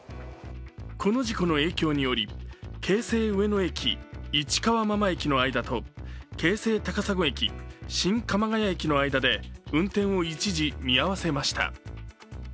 この事故の影響により、京成上野駅−市川真間駅の間と京成高砂駅−新鎌ケ谷駅の間で運転を一時見合せました。